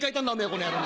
この野郎。